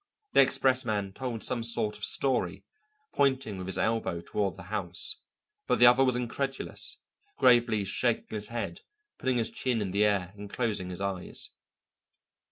The expressman told some sort of story, pointing with his elbow toward the house, but the other was incredulous, gravely shaking his head, putting his chin in the air, and closing his eyes.